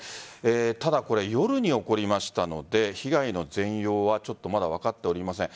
ただ、夜に起こりましたので被害の全容はちょっとまだ分かっておりません。